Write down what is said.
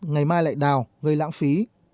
ngày mai lại đào gây lãng phí